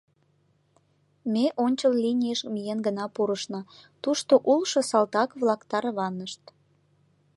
Ме ончыл линийыш миен гына пурышна, тушто улшо салтак-влак тарванышт.